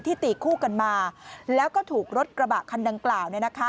ตีคู่กันมาแล้วก็ถูกรถกระบะคันดังกล่าว